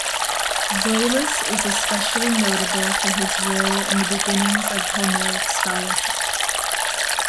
Zoilus is especially notable for his role in the beginnings of Homeric scholarship.